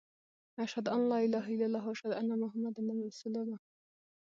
اشهد ان لا اله الا الله و اشهد ان محمد رسول الله.